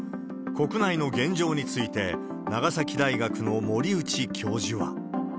国内の現状について、長崎大学の森内教授は。